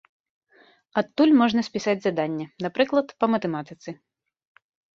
Адтуль можна спісаць заданне, напрыклад, па матэматыцы.